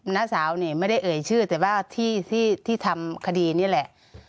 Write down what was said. น้าสาวนี่ไม่ได้เอ่ยชื่อแต่ว่าที่ที่ทำคดีนี่แหละ